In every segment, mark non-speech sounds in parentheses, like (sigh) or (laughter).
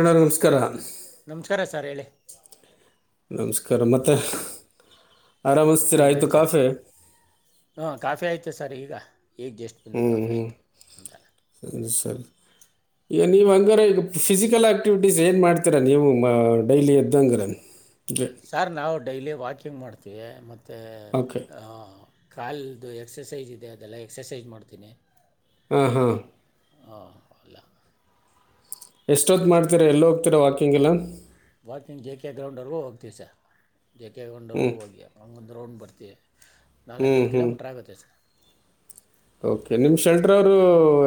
ಅಣ್ಣ ನಮಸ್ಕಾರ ನಮಸ್ಕಾರ ಸಾರ್ ಹೇಳಿ ನಮಸ್ಕಾರ ಮತ್ತ ಮತ್ತೆ ಆರಾಮಿಸ್ತೀರ ಆಯ್ತು ಇನ್ನೇನು ಸರ್ ಕಾಫೆ ಮತ್ತುೆ ಸರ್ ಈಗ ಏಗ್ ಜೇಸ್ಟ್ ಬಿಿಂದ ಕಾಫಿ ಆಯಿತು ಅಂದಳ ಸರಿ (unintelligible) ಈಗ ನೀವು ಹಂಗ್ರ ಈಗ ಫಿಸಿಕಲ್ ಆಕ್ಟಿವಿಟೀಸ್ ಏನು ಮಾಡ್ತೀರಾ ನೀವು ಡೈಲಿ ಎದ್ದಂಗರ ಸರ್ ನಾವು ಡೈಲಿ ವಾಕಿಂಗ್ ಮಾಡ್ತೀವಿ ಮತ್ತು ಓಕೆ ಕಲ್ದು ಎಕ್ಸಸೈಜ ಇದೆ ಅದೆಲ್ಲ ಎಕ್ಸಸೈಜ ಮಾಡ್ತೀನಿ ಹ ಹಾ ಹ ಅಲ್ಲ ಎಷ್ಟೊತ್ ಮಾಡ್ತಿೀರಾ ಎಲ್ಲೋ ಹೋಗ್ತೀರಾ ವಾಕಿಂಗ್ ಎಲ್ಲ ವಾಕಿಂಗ್ ಜೆ ಕೆ ಗ್ರೌಂಡ್ವ್ರಗೂ ಹೋಗ್ತೀವಿ ಸರ್ ಜೆ ಕೆ ಹ್ಞೂ ಗ್ರೌಂಡ್ವಿಗೂ ಹೋಗಿ ಹಂಗೊಂದು ಗ್ರೌಂಡ್ ಬರ್ತೀವಿ ಹ್ಞೂ ನಾಲ್ಕೈದು ಹ್ಞೂ ಕಿಲೋಮೀಟರ್್ ಆಗುತ್ತೆ ಸರ್ ಓಕೆ ನಿಮ್ಮ ಶಂಟ್ರವರು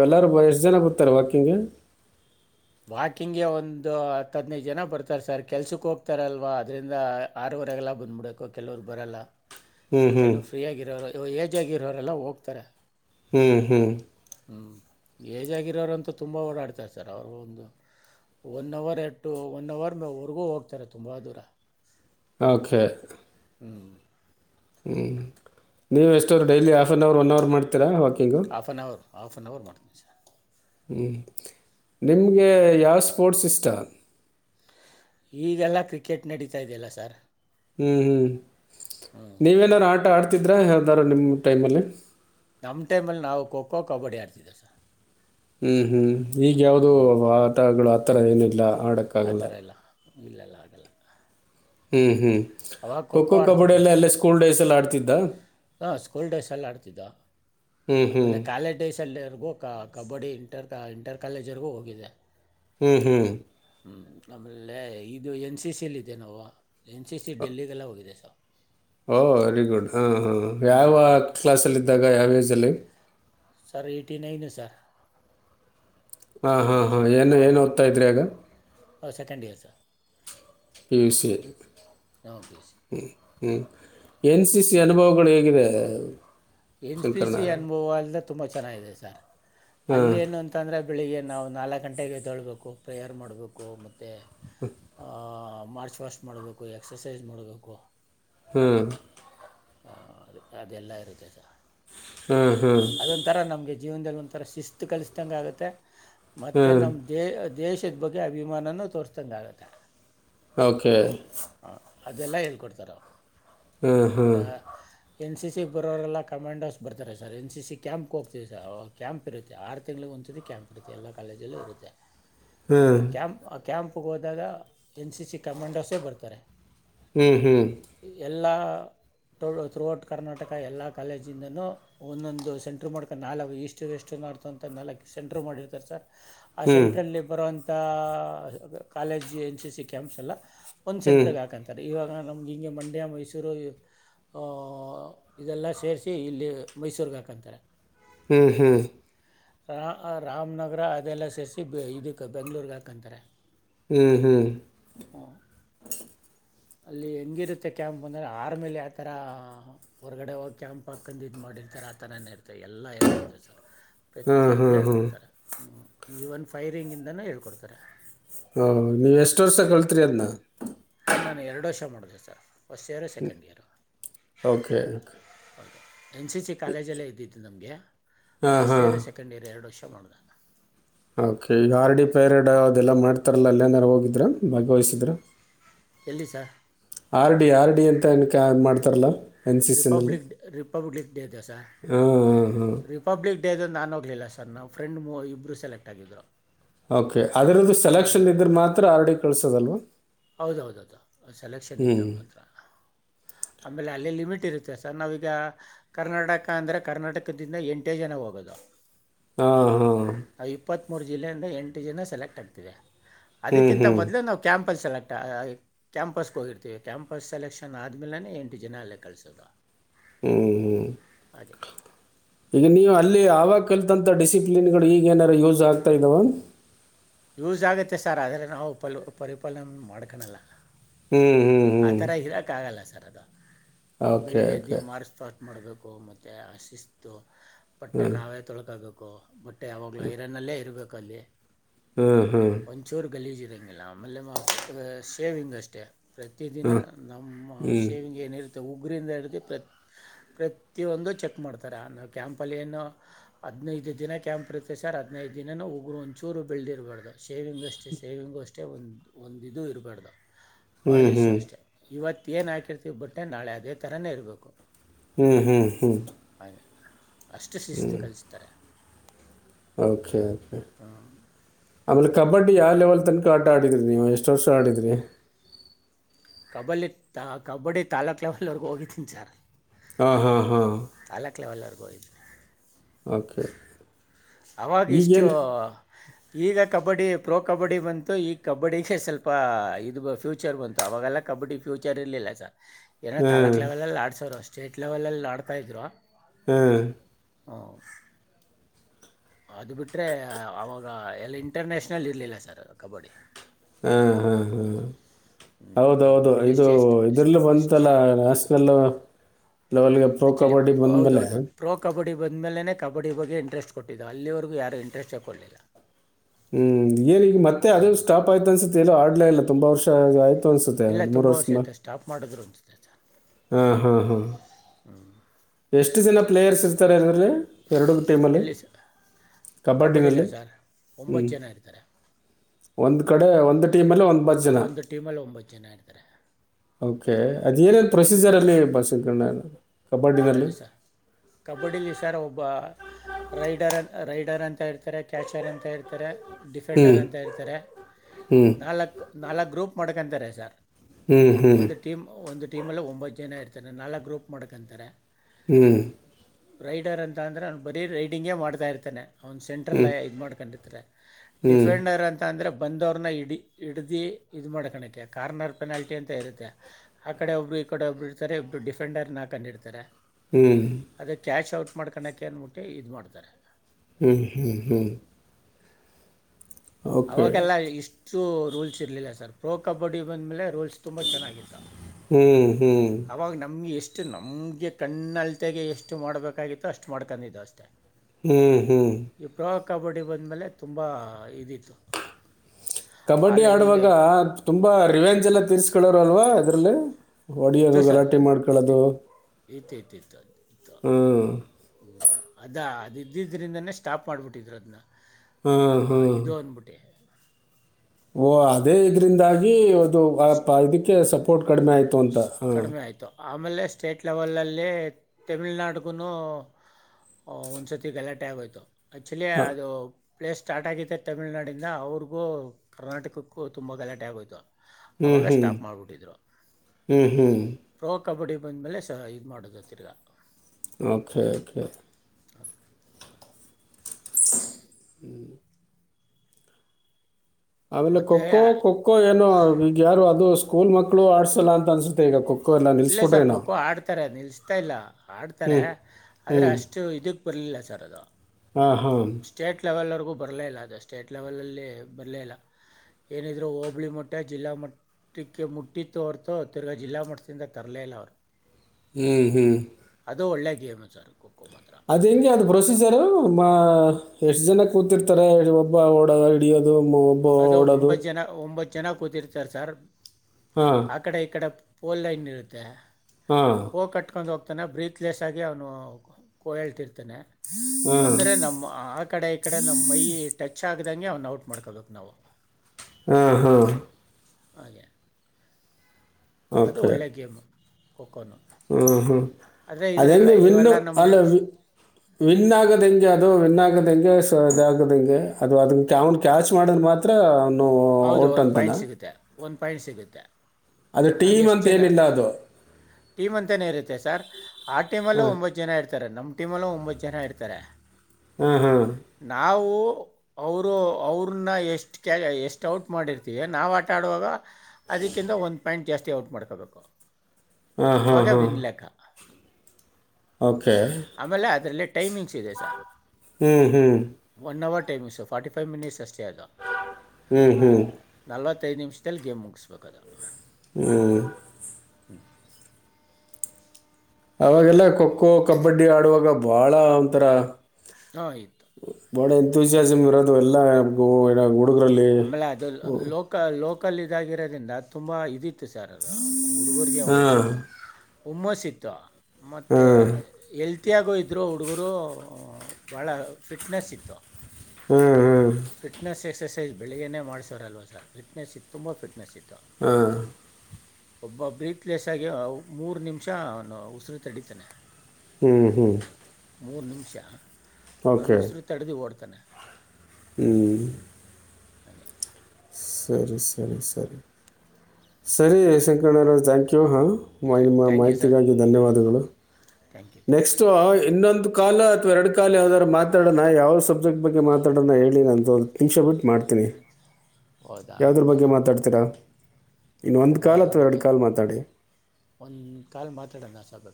ಎಲ್ಲರೂ ಎಷ್ಟು ಜನ ಗತ್ತಾರೆ ವಾಕಿಂಗಗೆ ವಾಕಿಂಗ್ಗೆ ಒಂದು ಹತ್ತು ಹದಿನೈದು ಜನ ಬರ್ತಾರೆ ಸರ್ ಕೆಲ್ಸಕ್ಕೆ ಹೋಗ್ತಾರಲ್ವಾ ಅದ್ರಂದ ಆರೋಗ ಅವರಾಗಲ್ಲ ಬಂದ್ಬಿಡಕೋ ಕೆಲವ್ರು ಬರಲ್ಲ ಹ್ಞೂ ಹ್ಞೂ ಕೆಲವು ಫ್ರೀಯಗರೋರು ಏಜ್ ಆಗಿರೋರೆಲ್ಲ ಹೋಗ್ತಾರೆ ಹ್ಮ್ ಹ್ಮ್ ಹ್ಞೂ ಏಜ್ ಆಗಿರೋರುಂತೂ ತುಂಬ ಓಡಾಡ್ತಾರೆ ಸರ್ ಅವ್ರು ಒಂದು ದು ಒನ್ ಅವರ್ ಎರಟು ಒನ್ ಅವರ್ ಮೇವರ್ಗೂ ಹೋಗ್ತಾರೆ ತುಂಬ ದೂರ ಓಕೆ ಹ್ಮ್ ಹ್ಮ್ ನೀ್ ಎಷ್ಟೋ್ daily half an hour one hour ಮಾಡ್ತೀರಾ walking half an hour half an hour ಮಾಡ್ತೀನಿ ಸರ್ ಹ್ಞೂ ನಿಮಗೆ ಯಾವ ಸ್ಪೋರ್ಟ್ಸ್ ಇಷ್ಟ ಈಗೆಲ್ಲ ಕ್ರಿಕೆಟ್ ನಡೀತಾ ಇದೆಯಲ್ಲ ಸರ್ ಹ್ಞೂ ಹ್ಞೂ ಹ್ಞೂ ನೀವೇನಾರ್ೂ ಆಟ ಆಡ್ತಿದ್ರಾ ಯ್ದಾರ ನಿಮ್ಮ ಟೈಮಲ್ಲಿ ನಮ್ಮ ಟೈಮಲ್ಲಿ ನಾವು ಖೋ ಖೋ ಕಬಡ್ಡಿ ಆಡ್ತಿದ್ದ ಸರ್ ಹ್ಮ್ ಹ್ಮ್ ಈಗ ಯಾವ್ದೋ ಆಟಗಳು ಆತರ ಏನಿಲ್ಲ ಆಡಕ್ಕ ಆಾಗಲ್ಲ ಇಲ್ಲಲ್ಲ ಆಗಲ್ಲ ಹ್ಮ್ ಹ್ಮ್ ಖೋ ಖೋ ಕಬಡ್ಡಿಿಯ ಎಲ್ಲ ಅಲ್ಲ ಸ್ಕೂಲ್ ಡೇಸ್ ಎಲ್ಲ ಆಡ್ತಿದ್ದ ಹಾಂ ಸ್ಕೂಲ್ ಡ್ರೆಸ್ ಎಲ್ಲ ಆಡ್ತಿದ್ದ ಹ್ಮ್ ಹ್ಮ್ ಆಮೇಲೆ ಕಾಲೇಜ್ ಸಲ್ಲಿಿಯವರೆಗೂ ಕ ಕಬಡ್ಡಿ ಇಂಟರ್ ಕ ಇಂಟರ್ ಕಾಲೇಜವರೆಗೂ ಹೋಗಿದೆ ಹ್ಮ್ ಹ್ಮ್ ಹ್ಞ ಆಮೇಲೆ ಇದು ಎನ್ ಸಿ ಸಿಯಲ್ಲಿದೆ ನಾವು ಎನ್ ಸಿ ಸಿ ಡೆಲ್ಲಿದೆಲ್ಲ ಹೋಗಿದೆೆ ಸರ್ ಓಹ ವೆರಿ ಗುಡ್ ಹಾ ಹಾಂ ಹ್ಞೂ ಯಾವ ಕ್ಲಾಸಲ್ಲಿ ಇದಿದ್ದಾಗ ಯಾವ ಏಜಲ್ಲಿ ಸರ್ ಎಯ್ಟಿ ನೈನು ಸರ್ ಹಾ ಟು ಹಾಂ ಹಾಂ ಏನು ಏನು ಓದ್ತಾ ಇದ್ರರಿ ಆಗ ಹ ಸೆಕೆಂಡ್ ಇಯರ್ ಸರ್ ು ಸಿ ನವು್ದೀೇಶ ಹ್ಮ್ ಎನ್ ಸಿ ಸಿ ಅನುಭವಗಳು ಹೇಗಿದೆ. ಎನ್ ಪಿ ಸಿ ಶಂಕರನಾರು ಅನ್ಭವ ಅಲ್ದೆ ತುಂಬ ಚೆನ್ನಾಗಿದೆ ಸರ್ ಹಾಂ ಅಲ್ಲಿ ಏನು ಅಂತಂದ್ರೆ ಬೆಳಿಗ್ಗೆ ನಾವು ನಾಲಕ್ ಗಂಟೆಗೆ ಎದ್ದೆಳ್ಬೇಕು ಪ್ರೇಯರ್ ಮಾಡ್ಬೇಕು ಮತ್ತೆ ಹಾ ಮಾರ್ಚ್ ಫಾಸ್ಟ್ ಮಾಡ್ಬೇಕು ಎಕ್ಸಸೈಜ್ ಮಾಡ್ಬೇಕು. ಹ್ಮ್ ಅದೆಲ್ಲ ಇರುತ್ತೆ ಸರ್. ಹ್ಮ್ ಹ್ಮ್. ಜೀವನದಲ್ಲೊಂತರ ಶಿಸ್ತು ಕಲ್ಸಿದಂಗಾಗುತ್ತೆ ಮತ್ತೆ ಹಾಂ ನಮ್ಮ ದೇ ದೇಶ್ ಶದ್ ಬಗ್ಗೆ ಅಭಿಮಾನಾನು ತೋರಿಸ್ದಂಗಾಗುತ್ತೆ. ಓಕೆ. ಅದೆಲ್ಲ ಹೇಳ್ಕೊಡ್ತಾರ. ಹಾಂ ಹಾಂ ಯಾಕಂದ್ರ ಎನ್ ಸಿ ಸ್ ಸಿಗ್ ಬರೋರೆಲ್ಲ ಕಮಾಂಡರ್ಸ್ ಬರ್ತಾರೆ ಸರ್ ಎನ್ ಸಿ ಸಿ ಕ್ಯಾಂಪ್ಗ್ ಹೋಗ್ತಿವಿ ಸರ್ ಕ್ಯಾಂಪ್ ಇರುತ್ತೆ ಆರು ತಿಂಗಳಿಗೆ ಒಂದ್ಸತಿ ಕ್ಯಾಂಪ್ ಕ್ಯಾಂಪ್ ಇರುತ್ತೆ ಎಲ್ಲ ಕಾಲೇಜಲ್ಲು ಇರುತ್ತೆ. ಹಾಂ ಆ ಕ್ಯಾಂಪ್ ಆ ಕ್ಯಾಂಪಗ್ ಹೋದಾಗ ಎನ್ ಸಿ ಸಿ ಕಮಾಂಡೋಸೇ ಬರ್ತಾರೆ. ಹ್ಮ್ ಹ್ಮ್. ಎಲ್ಲ ಟೋಲ್ ಥ್ರುಔಟ್ ಕರ್ನಾಟಕ ಎಲ್ಲ ಕಾಲೇಜಿಂದಾನೂ ಒಂದೊಂದು ಸೆಂಟ್ರ್ ಮಾಡ್ಕೊಂಡು ನಾಲವ್ ಈಸ್ಟ್ ವೆಸ್ಟ್ ನಾರ್ತ್ ಅಂತ ನಾಲಕ್ ಸೆಂಟರ್ ಮಾಡಿರ್ತಾರ್ ಸರ್. ಆ ಹ್ಞೂ ಸೆಂಟ್ರಲ್ಲಿ ಬರುವಂಥ college N C C camps ಎಲ್ಲ ಒಂದ್ ಸೆಂಟ್ರಗ್ ಹಾಕಂತಾರೆ ಇವಾಗ ನಮ್ಗ್ ಹಿಂಗೆ ಮಂಡ್ಯ ಮೈಸೂರು ಆ ಇದೆಲ್ಲ ಸೇರ್ಸಿ ಇಲ್ಲಿ ಮೈಸೂರ್ಗ್ ಹಾಕೊಂತಾರೆ. ಹ್ಮ್ ಹ್ಮ್. ರಾ ಆ ರಾಮನಗರ ಅದೆಲ್ಲ ಸೇರ್ಸಿ ಇದಕ್ಕೆ ಬೆಂಗ್ಳೂರ್ಗ್ ಹಾಕಂತಾರೆ. ಹ್ಮ್ ಹ್ಮ್. ಹಾ. ಅಲ್ಲಿ ಹೆಂಗಿರುತ್ತೆ ಕ್ಯಾಂಪ್ ಅಂದ್ರೆ ಆರ್ಮಿಲಿ ಯಾತರ ಹೊರ್ಗಡೆ ಹೋಗಿ ಕ್ಯಾಂಪ್ ಹಾಕೊಂಡ ಇದ್ ಮಾಡ್ ಇರ್ತಾರೆ ಆತರನೇ ಅಂತೇ ಎಲ್ಲ ಹೇಳ್ಕೊಡ್ತಾರೆ ಸರ್ ಹಾಂ ಪ್ರತಿಯೊಂದು ಹಾಂ ಹಾಂ ಹೇಳ್ಕೊಡ್ತಾರೆ ಹೂಂ. ಈವನ್ ಫೈರಿಂಗಿಂದಾನೂ ಹೇಳ್ಕೊಡ್ತಾರೆ. ಹ್ಮ್ ನೀವ್ ಎಷ್ಟ್ ವರ್ಷ ಕಲ್ತ್ರಿ ಅದನ್ನ. ಸರ್ ನಾನು ಎರಡು ವರ್ಷ ಮಾಡಿದೆೆ sir first year second year. Okay okay N C C ಕಾಲೇಜಲ್ಲೇ ಇದ್ದಿದ್ದು ನಮಗೆ ಹಾಂ ಫಸ್ಟ್ ಹಾಂ ಇಯರ್ ಸೆಕೆಂಡ್ ಇಯರ್ ಎರಡು ವರ್ಷ ಮಾಡ್ದೇ. ಓಕೆ ಈಗ ಆರ್ಡಿ ಪೇರೇಡ್ ಅದೆಲ್ಲ ಮಾಡ್ತಾರಲ್ಲಲ್ಲೇನಾರು ಹೋಗಿದ್ರಾ ಭಾಗವಹಿಸಿದ್ರಾ. ಎಲ್ಲಿ sir. R D R D ಅಂತ ಏನ ಕ್ಯಾ ಇದ್ ಮಾಡ್ತಾರಲ್ಲ. ಎನ್ ಸಿ ಸಿನಲ್ಲಿ ರಿಪಬ್ಲಿಕ್ ರಿಪಬ್ಲಿಕ್ ಡೇ ದ ಸರ್ ಹಾಂ ಹಾಂ ಹಾಂ ರಿಪಬ್ಲಿಕ್ ಡೇ ದು ನಾನು ಆಗ್ಲಿಲ್ಲ ಸರ್ ನನ್ ಫ್ರೆಂಡ್ ಇಬ್ಬರು ಸೆಲೆಕ್ಟ್ ಆಗಿದ್ರು. ಓಕೆ ಅದರದ್ದು ಸೆಲೆಕ್ಷನ್ ಇದ್ರೆ ಮಾತ್ರ ಆರ್ಡಿ ಕಳ್ಸೋದಲ್ವಾ. ಹೌದೌದೌದು ಸೆಲೆಕ್ಷನ್ ಇದ್ರೆ ಮಾತ್ರ ಆಮೇಲೆ ಅಲ್ಲಿ ಲಿಮಿಟ್ ಇರುತ್ ತ್ತೆ ಸರ್ ನಾವೀಗ ಕರ್ನಾಟಕ ಅಂದ್ರೆ ಕರ್ನಾಟಕದಿಂದ ಎಂಟೇ ಜನ ಹೋಗೋದು. ಹಾ ಹಾ. ಮೂರ್ ಜಿಲ್ಲೆಯಿಂದ ಎಂಟು ಜನ ಸೆಲೆಕ್ಟ್ ಆಗ್ತಿವಿ ಹ್ಞೂ ಹ್ಞೂ ಅದಕ್ಕಿಂತ ಮೊದ್ಲು ಹ್ಞೂ ನಾವ್ ಕ್ಯಾಂಪಲ್ ಸೆಲೆಕ್ಟ್ ಟ ಕ್ಯಾಂಪಸ್ಗ್ ಹೋಗಿರ್ತೀವಿ ಕ್ಯಾಂಪಸ್ ಸೆಲೆಕ್ಷನ್ ಆದ್ಮೇಲೇನೇ ಎಂಟು ಜನ ಅಲ್ಲೇ ಕಳ್ಸೋದು. ಹ್ಮ್ ಹ್ಮ್. ಈಗ ನೀವು ಅಲ್ಲಿ ಆವಾಗ ಕಲಿತಂಥ ಡಿಸಿಪ್ಲಿನ್ಗಳು ಈಗ ಏನಾರೂ ಯೂಸ್ ಆಗ್ತಾ ಇದಾವ. ಯೂಸ್ ಆಗುತ್ತೆ ಸರ್ ಆದರೆ ನಾವು ಪಲ್ ಪರಿಪಾಲನೆ ಮಾಡ್ಕೊಣಲ್ಲ. ಹ್ಞೂ ಹ್ಞೂ ಆ ಹ್ಞೂ ತರ ಇರಕ್ಕಾಗಲ್ಲ ಸರ್ ಅದು. ಓಕೆ ಬೆಳಿಗ್ಗೆ ಎದ್ದಿ ಓಕೆ ಮಾರ್ಚ್ ಫಾಸ್ಟ್ ಮಾಡ್ಬೇಕು ಮತ್ತೆ ಆ ಶಿಸ್ತು. ಬಟ್ಟೆ ಹ್ಞೂ ನಾವೇ ತೊಳ್ಕೋಬೇಕು ಬಟ್ಟೆ ಯಾವಾಗ್ಲೂ ಐರನ್ನಲ್ಲೇ ಇರಬೇಕು ಅಲ್ಲಿ. ಹ್ಞೂ ಒಂಚೂರು ಗಲೀಜ್ ಇರೋಂಗಿಲ್ಲ ಆಮೇಲೆ (unintelligible) ಶೇವಿಂಗ್ ಅಷ್ಟೇ. ಪ್ರತಿದಿನ ಹ್ಞೂ ನಮ್ಮ ಶೇವಿಂಗ್ ಏನಿರುತ್ತ ಮತ್ತು ಉಗುರಿಂದ ಹಿಡ್ದು ಪ್ರ ಪ್ರತಿಯೊಂದು ಚೆಕ್ ಮಾಡ್ತಾರೆ ಅನ್ನ ಕ್ಯಾಂಪಲ್ಲಿ ಏನುದು ಹದಿನೈದು ದಿನ ಕ್ಯಾಂಪ್ ಇರುತ್ತೆ ಸರ್ ಹದಿನೈದು ದಿನನ ಹಗರು ಒಂಚೂರು ಬಿಲ್ಡ್ ಇರಬಾರ್ದು ಶೇವಿಂಗ್ಷ್ಟೇ ಸೇವಿಂಗು ಅಷ್ಟೇ ಒಂದು ಒಂದು ಇಿದದು ಇರಬಾರ್ದು ಹ್ಞೂ ಹ್ಞೂ ಪಾಲಿಷು ಅಷ್ಟೆ ಹ್ಞೂ ಇವತ್ತೇಏನು ಹಾಕಿರ್ತೀವಿ ಬಟ್ಟೆ ನಾಳೆ ಅದೇ ಥರನೇ ಇರಬೇಕು ಹ್ಮ್ ಹ್ಮ್ ಹ್ಮ್ ಹಾಗೆ ಅಷ್ಟು ಶಿಸ್ತು ಕಲಿಸ್ತಾರೆ ಕೆ ಕೆ ಆಮೇಲೆ ಕಬಡ್ಡಿ ಯಾವ ಲೆವೆಲ್ ತನಕ ಆಟ ಆಡಿದ್ರಿ ನೀವು ಎಷ್ಟು ವರ್ಷ ಆಡಿದ್ರಿ ಕಬಡ್ಡಿ ತ ಕಬಡ್ಡಿ ತಾಲೂಕ್ು ಲೆವೆಲ್ ವರೆಗೊ ಓೋಗಿ ತಿಚಾರ ಹಾ ಹಾ ಹಾ ಕೊಿ ಓಕೆ ಅವಾಗ ಇಷ್ಟು ಈಗೇನು ಈಗ ಕಬಡ್ಡಿ ಪ್ರೋ ಕಬಡ್ಡಿ ಬಂತು ಈಗ ಕಬಡ್ಡಿಗೆ ಸ್ವಲ್ಪ ಇದು ಫ್ಯೂಚರ್ ಬಂತ ಅವವಾಗಲ್ಲ ಕಬಡ್ಡಿಫ್ಯೂಚರ್ ಇರಿಲ್ಲ ಸರ್ ಏನೋ ಹಾಂ ತಾಲೂಕ್ ಲೆವೆಲಲ್ಲಿ ಆಡ್ಸೋರು ಸ್ಟೇಟ್ ಲೆವೆಲಲ್ಲಿ ಆಡ್ತಾ ಇದ್ರು ಹ್ಮ್ ಹಾ ಅದು ಬಿಟ್ರೆ ಅವಾಗ ಎಲ್ಲ ಇಂಟರ್ನ್ಯಾಷನಲ್ ಇರಲಿಲ್ಲ ಸರ್ ಕಬಡ್ಡಿ ಹಾ ಹಾ ಹಾ ಹೌದೌದು ಓನ್ಲಿ ಇದು ಸ್ಟೇಟ್ ಇದ್ರಲ್ಲೂ ಬಂತಲ್ಲ ನಾಸ್ನಲ್ಲ ಲೆವೆಲ್ಗೆ ಪ್ರೋ ಆ್ಯಕ್ಚುಲಿ ಕಬಡ್ಡಿ ಬಂದಮೇಲೆ ಹೌದೌದು ಪ್ರೋ ಕಬಡ್ಡಿ ಬಂದ ಮೇ ಕಬಡ್ಡಿಗ್ ಇಂಟ್ರೆಸ್ಟ್ ಕೊಟ್ಟಿದ್ದು ಅಲ್ಲಿವರೆಗ ಯಾರು ಇಂಟ್ರೆಸ್ಟ್ ತಗೊಲಿಲ್ಲ ಹ್ಮ್ ಏನ ಈಗ ಮತ್ತೆ ಅದು ಸ್ಟಾಪ್ ಆಯ್ತು ಅನ್ಸೆ ಎಲ್ಲೋ ಆಡ್ಲಾ ಇಲ್ಲ ತುಂಬಾ ವರ್ಷ ಆಯ್ತು ಅನ್ಸುತ್ತೆ ಇಲ್ಲ ಎರಡು ಮೂರು ತುಂಬಾ ವರ್ಷ ಆಯತ ಸ್ಟಾಪ್ ಮಾಡಿದ್ರುಂ ಹಾ ಹಾ ಹಾ ಎಷ್ಟು ಜನ ಪ್ಲೇಯರ್ಸ್ ಇರ್ತಾರೆ ಅರಲ್ಲಿ ಎಲ್ಲಿ ಸ ಕಬಡ್ಡಿ ಇಲ್ಲ ಕಬಡ್ಡಿನಲ್ಲಿ ಸರ್ ಒಂಬತ್ತು ಜನ ಇರ್ತಾರೆ ಒಂದ್ ಕಡೆ ಒಂದ ಒಂದು ಒಂದು ಟೀಮಲ್ಲಿ ಒಂಬತ್ತು ಜನ ಇಡ್ತಾರೆ ಅದ ಏನ್ ಪ್ರೊಸೀಜರ್ ಅಲ್ಲಿ ಬ ಯಾದು ಸರ್ ಕಬಡ್ಡಿಲಿ ಸರ್ ಒಬ್ಬ ರೈಡರ್ ಅ ರೈಡರ್ ಅಂತ ಇರ್ತಾರೆ ಕ್ಯಾಚರ್ ಅಂತ ಇರ್ತಾರೆ ಹ್ಞೂ ಡಿಫೆಂಡರ್ ಅಂತ ಹೇಳ್ತಾರೆ ಹ್ಞೂ ನಾಲ್ಕು ನಾಲ್ಕು ಗ್ರೂಪ್ ಮಾಡ್ಕೊಂತಾರೆ ಸರ್ ಹ್ಞೂ ಒಂದು ಹ್ಞೂ ಟೀಮ್ ಒಂದು ಟೀಮಲ್ಲಿ ಒಂಬತ್ತು ಜನ ಇರ್ತಾರೆ ನಲ್ಲ ಗ್ರೂಪ್ ಮಾಡ್ಕೊಂತಾರೆ ಹ್ಮ್ ರೈಡರ್ ಅಂತ ಅಂದರೆ ಅವಾನನು ಬರೀ ರೈಡಿಂಗೇ ಮಾಡ್ತಾಯಿರ್ತಾನೆ ಅವನು ಹ್ಞೂ ಸೆಂಟ್ರಲ್ ಇದು ಮಾಡ್ಕೊಂಡಿರ್ತಾರೆ ಹ್ಞೂ ಡಿಫೆಂಡರ್ ಅಂತ ಅಂದ್ರೆ ಬಂದವ್ರನ್ನ ಇ ಹಡ್ದಿ ಇ ಮಾಡ್ಕಕೆ ಕಾರ್ನರ್ ಪೆನಾಲ್ಟಿ ಅಂತ ಇರುತ್ತೆ ಆ ಕಡೆ ಒಬ್ಬರು ಕೊಡ ಇರ್ತಾರೆ ಡಿಫೆಂಡರ್ ನಾಕಂಡ ಇರ್ತಾರೆ ಹ್ಞೂ ಹ್ಞೂ ಅದ ಕ್ಯಾಶ್ ಔಟ್ ಮಾಡ್ಕಳಕ ಅನ್ಬಿಟ್ಟು ಇದು ಮಾಡ್ತಾರೆ ಹ್ಮ್ ಹ್ಮ್ ಹ್ಮ್ ಅವಾಗೆಲ್ಲ ಇಷ್ಟ ಹೆಚ್ಚು ರೂಲ್ಸ್ ಇರಲಿಲ್ಲ ಸರ್ ಪ್ರೋ ಕಬಡ್ಡಿ ಬಂದಮೇಲೆ ರೂಲ್ಸ್ ತುಂಬ ಚೆನ್ನಾಗಿತ್ತು ಹ್ಞೂ ಹ್ಞೂ ಆಗ ನಮ್ಗೆ ಎಷ್ಟು ಅಷ್ಟು ನಮಗೆ ಕಣ್ಣು ಅಲತೆಗೆ ಎಷ್ಟು ಮಾಡ್ಬೇಕಾಗಿತ್ತೋ ಅಷ್ಟು ಮಾಡ್ಕೊಂಡಿದ್ದ ಅಷ್ಟೇ ಹ್ಮ್ ಹ್ಮ್ ಈ ಪ್ರೋ ಕಬಡ್ಡಿ ಬಂದಮೇಲೆ ತುಂಬ ಇದಿತ್ತು ಆ ಕಬಡ್ಡಿ ಲೈನಿಂದ ಆಡುವಾಗ ತುಂಬಾ ರಿವೆಂಜ್ ಎಲ್ಲ ತೀರ್ಸ್ಕೊಳ್ಳೋರು ಅಲ್ವಾ ಇದ್ರಲ್ಲಿ ಒಡಿಯರು ಗಲಾಟೆ ಮಾಡ್ಕೊಳ್ಳೋದು ಇತತಿ ತ ಹ್ಮ ಅದಾ ಅದು ಇದಿದ್ದ್ರಿಂದನೇ ಸ್ಟಾಪ್ ಮಾಡಿಬಿಟ್ಟಿದ್ರು ಅದನ್ನ ಹ್ಮ್ ಹ ಹ್ಮ್ ಇದು ಅನ್ಬಿಟ್ಟೆ ಓ ಅದೇ ಇದರಿಂದಾಗಿ ಇದು ಇದಕ್ಕೆ ಸಪೋರ್ಟ್ ಕಡಿಮೆ ಆಯ್ತು ಅಂತ ಹ ಕಡಿಮೆ ಆಯಿತು ಆಮೇಲೆ ಸ್ಟೇಟ್ ಲೆವೆಲಲ್ಲಿ ತಮಿಳ್ನಾಡುಗು ಒಂದ್ಸರ್ತಿ ಗಲಾಟೆ ಆಗೋಯ್ತು ಆಕ್ಚುಲಿ ಅದು ಪ್ಲೇಸ್ ಸ್ಟಾರ್ಟ್ ಆಗಿದ್ದ ತಮಿಳ್ನಾಡಿಂದ ಅವ್ರಿಗೂ ಕರ್ನಾಟಕಕ್ಕೂ ತುಂಬ ಗಲಾಟೆ ಆಗೋಯಿತು ಹ್ಮ್ ಆವಾಗ ಹ್ಮ್ ಸ್ಟಾಪ್ ಮಾಡಿಬಿಟ್ಟಿದ್ರು ಹ್ಮ್ ಹ್ಮ್ ಪ್ರೊ ಕಬಡ್ಡಿ ಬಂದಮೇಲೆ ಸಹ ಇದು ಮಾಡೋದು ತಿರ್ಗಾ ಓಕೆ ಓಕೆ ಹ್ಮ್ ಹ್ಮ್ ಆಮೇಲೆ ಖೋಖೋ ಮತ್ತು ಖೋಖೋ ಏನೋ ಈಗ ಯಾರು ಅದು ಸ್ಕೂಲ್ ಮಕ್ಕಳು ಆಡ್ಸಲ್ಲ ಅಂತ ಅನ್ಸುತ್ತೆ ಈಗ ಕೊ ಇಲ್ಲ ಸರ್ ಖೋಖೋ ಆಡ್ತಾರೆ ಅದು ನಿಲ್ಸ್ ಸ್ತ ಇಲ್ಲ ಹ್ಞೂ ಆಡ್ತಾರೆ ಹ್ಞೂ ಆದರೆ ಅಷ್ಟು ಇದುಕ್ ಬರಲಿಲ್ಲ ಸರ್ ಅದು ಹಾ ಹಾಂ ಕು ಬರ್ಲೇ ಇಲ್ಲ ಅದ್ ಸ್ಟೇಟ್ ಲೆವೆಲ್ ಅಲ್ಲಿ ಬರಲೇ ಇಲ್ಲ ಏನಿದ್ರು ಹೋಬಳಿ ಮೊಟ್ಟೆ ಜಿಲ್ಲಾ ಮೊಟ್ ಟ್ಟಿಕ್ಕೆ ಮುಟ್ಟಿತ್ತು ಅವರ್ತ ತಿರ್ಗಾ ಜಿಲ್ಲಾ ಮಟ್ಟದಿಂದ ತರ್ಲೇ ಇಲ್ಲ ಅವ್ರು ಹ್ಮ್ ಹ್ಮ್ ಅದು ಒಳ್ಳೆ ಗೇಮ್ ಸರ್ ಖೋಖೋ ಮಾತ್ರ ಅದು ಹೆಂಗ್ ಅದು ಪ್ರೊಸೀಜರು ಮಾ ಎಷ್ಟ್ ಜನ ಕೂತಿರ್ತಾರೆ ಒಬ್ಬ ಓಡ ಹಿಡಿಯೋದು ಒಬ್ಬ ಓಡೋದು ಚೆನ್ನಾಗಿ ಕೂತಿರ್ತಾರೆ ಸರ್ ಹಾಂ ಆ ಕಡೆ ಈ ಕಡೆ ಪೋಲ್ ಲೈನ್ ಇರುತ್ತೆ ಹಾಂ ಕೋ ಕಟ್ಕೊಂಡು ಹೋಗ್ತಾನೆ ಬ್ರೀತ್ಲೆಸ್ ಆಗಿ ಅವನು ಕೋ ಹೇಳ್ತಿರ್ ತನೆ ಅಂದ್ರೆ ನಮ್ಮ ಆ ಕಡೆ ಈ ಕಡೆ ನಮ್ಮ ಮೈ ಟಚ್ ಆಗ್ದಂಗೆ ಅವ್ನ ಔಟ್ ಮಾಡ್ಕೋಬೇಕು ನಾವು ಹಾಂ ಹಾಂ ಹಾಗೆ ಅದು ಒಳ್ಳೆ ಗೇಮ್ ಹ್ಮ್ ಹ್ಮ್ ಆದರೆ ಇದರೆಲ್ಲ ಅದೆಂಗೆ ವಿನ್ನು ಇವೆಲ್ಲ ನಮ್ಮ ಅಲ್ಲ ವಿನ್ ಆಗದೆಂಗ್ ಗೆ ಅದು ವಿನ್ ಆಗದೆಂಗೆ ಸೋ ಅದಾಗ್ಬಿಟ್ಟಿದೆ ಅದು ಅದು ಅವ್ನ್ ಕ್ಯಾಚ್ ಮಾಡವ್ನ್ ಮಾತ್ರ ಅವ್ನ್ ಹೌದು ಒಂದು ಪಾಯಿಂಟ್ ಸಿಗುತ್ತೆ ಒಂದು ಪಾಯಿಂಟ್ ಸಿಗುತ್ತೆ ಅದು ನಾವು ಟೀಮ್ ಎಷ್ಟು ಅಂತ ಜನ ಏನಿಲ್ಲ ಅದು ಟೀಮ್ ಅಂತನೇ ಇರುತ್ತೆ ಸರ್ ಆ ಟೀಮಲ್ಲೂ ಒಂಬತ್ತು ಜನ ಇರ್ತಾರೆ ನಮ್ ಟೀಮಲ್ಲೂ ಒಂಬತ್ತು ಜನ ಇರ್ತಾರೆ ಹ ಹಾ ಅವ್ರು ಅವ್ರನ್ನ ಎಷ್ಟು ಕೆ ಎಷ್ಟು ಅಷ್ಟ ಔಟ್ ಮಾಡಿರ್ತೀವಿ ನಾವು ಆಟ ಆಡುವಾಗ ಅದಕ್ಕಿಂತ ಒಂದು ಪಾಯಿಂಟ್ ಜಾಸ್ತಿ ಔಟ್ ಮಾಡ್ಕೋಬೇಕು ಹಾಂ ಹಾಂ ಅವಾಗ ಹಾಂ ವಿನ್ ಲೆಕ್ಕ ಓಕೆ ಆಮೇಲೆ ಅದರಲ್ಲಿ ಟೈಮಿಂಗ್ಸ್ ಇದೆ ಸರ್ ಹ್ಞೂ ಹ್ಞೂ one hour timings forty five minutes ಅಷ್ಟೇ ಅದು ಹ್ಞೂ ಹ್ಞೂ ನಲ್ವತ್ ತ್ತೈದು ನಿಮಿಷದಲ್ಲಿ ಗೇಮ್ ಮುಗ್ಸ್ಬೇಕದು ಹ್ಮ್ ಹ್ಮ್ ಅವಾಗೆಲ್ಲ ಖೋ ಖೋ ಕಬಡ್ಡಿ ಆಡುವಾಗ ಬಾಳ ಒಂಥರ ಆಯ್ತು ಬಾಳ ಎಂತೂಸಿಯಾಸಮ್ ಇರೋದು ಎಲ್ಲ ಬು ಆಮೇಲೆ ಅದು ಲೋಕ ಲೋಕ್ ಕಲ್ಲಿಗಾಗ್ ಇರೋದ್ರಿಂದ ತುಂಬ ಇದಿತ್ತು ಸರ್ ಅದು ಹುಡುಗರಿಗೆ ಒಂದು ಹಾಂ ಹುಮ್ಮಸ್ಸಿತ್ತು ಮತ್ತೆ ಹಾಂ ಎಲ್ತ್ ತಿಯಾಗೂ ಇದ್ರು ಹುಡುಗುರು ಬಾಳ ಫಿಟ್ನೆಸ್ ಇತ್ತು ಹ್ಮ್ ಹ್ಮ್ ಫಿಟ್ನೆಸ್ ಎಕ್ಸಸೈಸ್ ಬೆಳಿಗ್ಗೆನೆ ಮಾಡ್ಸೋರಲ್ವ ಸರ್ ಫಿಟ್ನೆಸ್ ಇತ್ತು ತುಂಬ ಫಿಟ್ನೆಸ್ ಇತ್ತು ಹಾಂ ಒಬ್ಬ ಬ್ರೀತ್ಲೆಸ್ ಆಗಿ ಅವ್ ಮೂರು ನಿಮ್ಷನು ಉಸಿರು ತಡಿತನೆ ಹ್ಮ್ ಹ್ಮ್ ಮೂರು ನಿಮ್ಶ ಅವನು ಉಸಿರು ತಡೆದು ಓಡ್ತಾನೆ ಹ್ಮ್ ಹಾಗೆ ಸರಿ ಸರಿ ಸರಿ ಸರಿ ಶಂಕ್ರಣ್ಣನವ್ರೆ ಥಾಂಕ್ ಯು ಹಾ ಮಾ ನಿಮ್ಮ ಥ್ಯಾಂಕ್ ಯು ಸರ್ ಮಾಹಿತಿಗಾಗಿ ಧನ್ಯವಾದಗಳು thank you thank you. Next ಆ ಇನ್ನೊಂದು ಕಾಲು ಅಥ್ವಾ ಎರಡು ಕಾಲು ಯಾವ್ದಾರು ಮಾತಾಡಣ ಯಾವ ಸಬ್ಜೆಕ್ಟ್ ಬಗ್ಗೆ ಮಾತಾಡಣ ಹೇಳಿ ನಾನ್ ಒಂದ್ ಹತ್ ನಿಮಿಷ ಬಿಟ್ ಮಾಡ್ತೀನಿ ಹೌದಾ ಯಾವ್ದ್ರು ಬಗ್ಗೆ ಮಾತಾಡ್ತಿರಾ ಯಾವು್ದ ಬಗ್ಗೆ ಮಾತಾಡಿ ಒಂದು ಕಾಲ್ ಮಾತಾಡೋಣ ಸಾಬ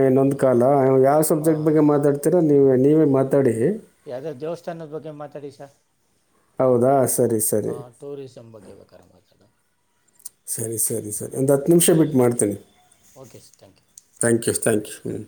ಇಏನ್ನೊಂದ್ ಕಾಲ ಯಾವ್ ಸಬ್ಜೆಕ್ಟ್ ಹಾಂ ಬಗ್ಗೆ ಮಾತಾಡ್ತಿೀರಾ ನೀವ ನೀವೇ ಮಾತ ಯಾವ್ದ ದೇವಸ್ಥಾನದ ಬಗ್ಗೆ ಮಾತಾಡಿ ಸರ್ ಹೌದಾ ಸರಿ ಸರಿ ಹಾಂ ಟೂರಿಸಂ ಬಗ್ಗೆ ಬೇಕಾರ ಮಾತಾಡ ಸರಿ ಸರಿ ಸರಿ ಒಂದು ಹತ್ತು ನಿಮಿಷ ಸರಿ ಬಿಟ್ಟು ಸರ್ ಮಾಡ್ತೀನಿ okay sir thank you thank you thank you ಹ್ಮ